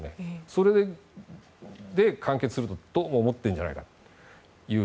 それで、完結するとどうも思ってるんじゃないかと。